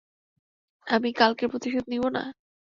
আমি কালকের প্রতিশোধ নিবো না?